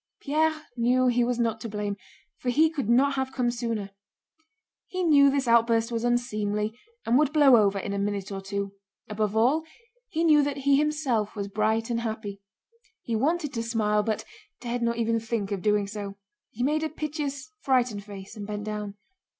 Pierre knew he was not to blame, for he could not have come sooner; he knew this outburst was unseemly and would blow over in a minute or two; above all he knew that he himself was bright and happy. He wanted to smile but dared not even think of doing so. He made a piteous, frightened face and bent down.